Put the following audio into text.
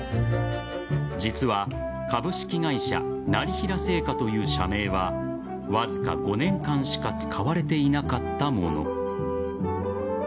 実は株式会社業平製菓という社名はわずか５年間しか使われていなかったもの。